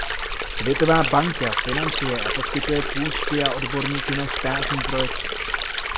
Světová banka financuje a poskytuje půjčky a odborníky na státní projekty.